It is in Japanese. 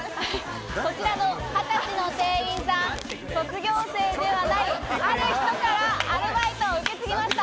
こちらの２０歳の店員さん、卒業生ではない、ある人からアルバイトを受け継ぎました。